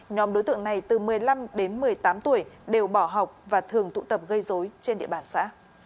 nhóm đối tượng này từ một mươi năm đến một mươi tám tuổi đều bỏ học và thường tụ tập gây dối trên địa bàn xã